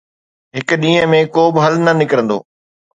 هڪ ڏينهن ۾ ڪو به حل نه نڪرندو.